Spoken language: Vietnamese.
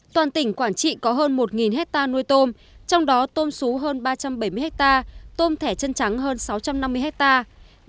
toàn tỉnh quảng trị có hơn một hectare nuôi tôm trong đó tôm sú hơn ba trăm bảy mươi hectare tôm thẻ chân trắng hơn sáu trăm năm mươi hectare